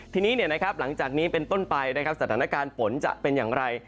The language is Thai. ทีนี้หลังจากนี้เป็นต้นไปสถานการณ์ฝนจะเป็นอย่างไร